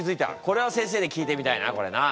これは先生に聞いてみたいなこれな。